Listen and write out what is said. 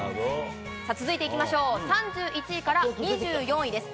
続いていきましょう、３１位から２４位です。